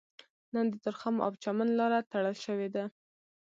نن د تورخم او چمن لاره تړل شوې ده